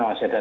nah saya dan